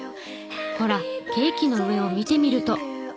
ほらケーキの上を見てみると。